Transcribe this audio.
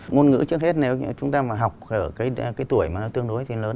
ngôn ngữ trước hết nếu chúng ta mà học ở cái tuổi mà nó tương đối thì lớn